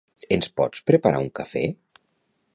Ens pots preparar un cafè?